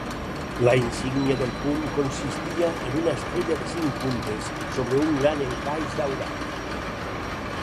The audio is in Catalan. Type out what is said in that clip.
La insígnia del puny consistia en una estrella de cinc puntes sobre un gran encaix daurat.